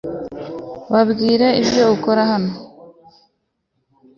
babwire ibyo ukora hano